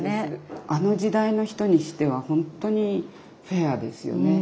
あの時代の人にしては本当にフェアですよね。